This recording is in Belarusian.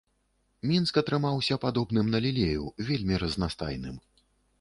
Мінск атрымаўся падобным на лілею, вельмі разнастайным.